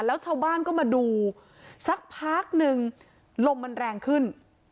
แล้วชาวบ้านก็มาดูสักพักนึงลมมันแรงขึ้น